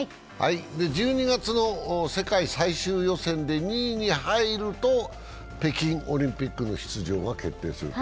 １２月の世界最終予選で２位に入ると、北京オリンピックの出場が決定すると。